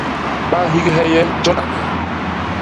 Ba nhighe nye, jon a ñee.